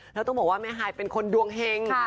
แล้วต้องบอกว่าแม่ฮายเป็นคนดวงเฮง